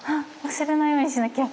忘れないようにしなきゃ。